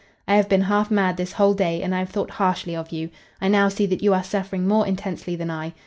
"I have been half mad this whole day, and I have thought harshly of you. I now see that you are suffering more intensely than I.